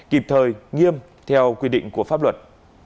kịp thời nghiêm theo quy định của pháp luật